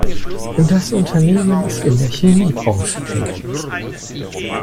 Das Unternehmen ist in der Chemiebranche tätig.